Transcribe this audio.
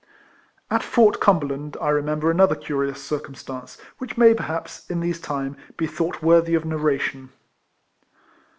At Fort Cumberland I remember another curious circumstance, which may, perhaps, in these times, be thought worthy of nar ration.